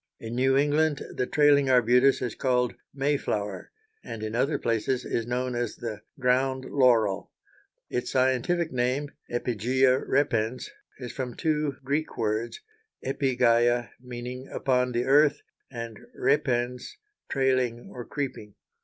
In New England the trailing arbutus is called May flower, and in other places is known as the ground laurel. Its scientific name (Epigæa repens) is from two Greek words, epigæa, meaning "upon the earth," and repens, "trailing, or creeping."